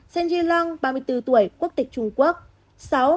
năm sơn di long ba mươi bốn tuổi quốc tịch trung quốc